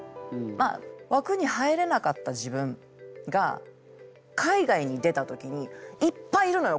まあわくに入れなかった自分が海外に出た時にいっぱいいるのよ